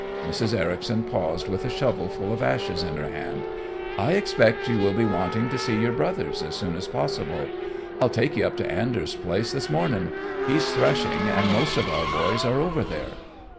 Mrs. Ericson paused with a shovel full of ashes in her hand. "I expect you will be wanting to see your brothers as soon as possible. I'll take you up to Anders' place this morning. He's threshing, and most of our boys are over there."